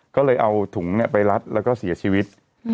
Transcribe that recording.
ก็เลยเอาถุงไปรัดแล้วก็เสียชีวิต